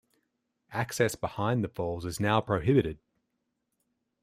Access behind the falls is now prohibited.